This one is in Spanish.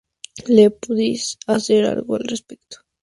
Lee pudiese hacer algo al respecto.